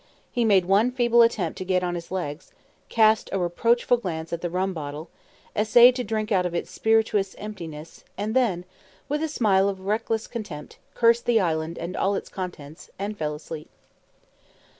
He made one feeble attempt to get upon his legs, cast a reproachful glance at the rum bottle, essayed to drink out of its spirituous emptiness, and then, with a smile of reckless contentment, cursed the island and all its contents, and fell asleep.